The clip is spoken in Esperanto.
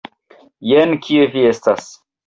Jen kie vi estas!